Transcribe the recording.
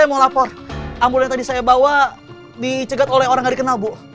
saya mau lapor ambulan tadi saya bawa dicegat oleh orang gak dikenal bu